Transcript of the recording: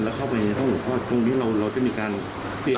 แล้วเข้าไปในห้องหลวงพ่อตรงนี้เราจะมีการเปลี่ยน